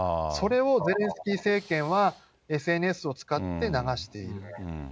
それをゼレンスキー政権は、ＳＮＳを使って流している。